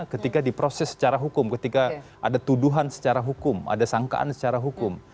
ketika diproses secara hukum ketika ada tuduhan secara hukum ada sangkaan secara hukum